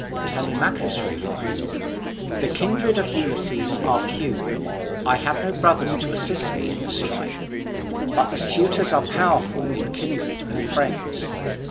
Telemachus replied: "The kindred of Ulysses are few. I have no brothers to assist me in the strife. But the suitors are powerful in kindred and friends.